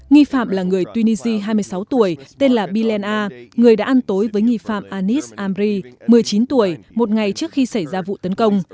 nghi phạm là người tunisia hai mươi sáu tuổi tên là bilenar người đã ăn tối với nghi phạm anis amri một mươi chín tuổi một ngày trước khi xảy ra vụ tấn công